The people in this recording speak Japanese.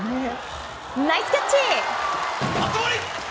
ナイスキャッチ！